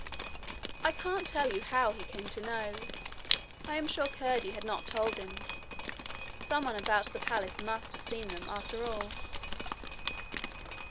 I can't tell you how he had come to know. I am sure Curdie had not told him. Someone about the palace must have seen them, after all.